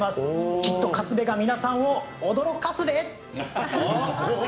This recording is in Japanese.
きっとカスベが皆さんを驚かすべ！